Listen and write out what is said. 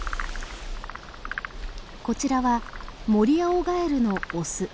こちらはモリアオガエルのオス。